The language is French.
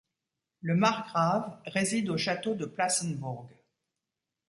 Le margrave réside au château de Plassenburg.